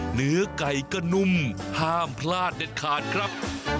เหนือไก่ก็นุ่มห้ามพลาดเด็ดขาดครับ